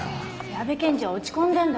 矢部検事は落ち込んでんだから。